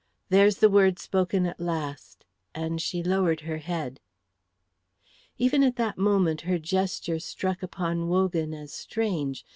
There's the word spoken at the last," and she lowered her head. Even at that moment her gesture struck upon Wogan as strange.